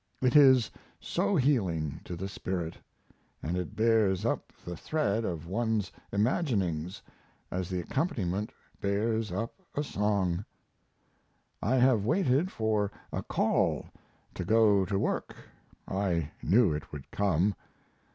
It is so healing to the spirit; and it bears up the thread of one's imaginings as the accompaniment bears up a song.... I have waited for a "call" to go to work I knew it would come.